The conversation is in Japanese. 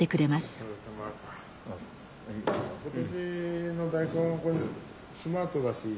今年の大根はスマートだし。